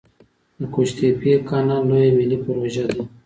د قوش تیپې کانال لویه ملي پروژه ده